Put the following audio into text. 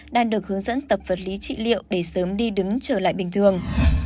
đang được hướng dẫn tập vật lý trị liệu để sớm đi đứng trở lại bình thường